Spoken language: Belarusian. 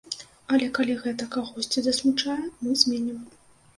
Але калі гэта кагосьці засмучае, мы зменім.